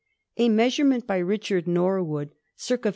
A measurement by Richard Norwood (i59o[